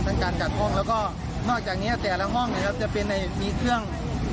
ทั้งการกัดห้องแล้วก็นอกจากนี้แต่ละห้องจะมีเครื่อง